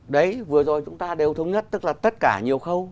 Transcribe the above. đấy vừa rồi chúng ta đều thống nhất tức là tất cả nhiều khâu